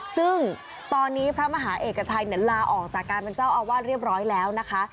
ซึ่งตอนนี้พระมหาเอกชัยลาออกจากการเป็นเจ้าอาวาสเรียบร้อยแล้วนะคะ